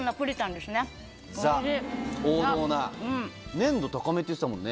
粘度高めって言ってたもんね。